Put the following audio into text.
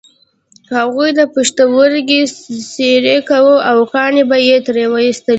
هغوی به پښتورګی څیرې کاوه او کاڼي به یې ترې ویستل.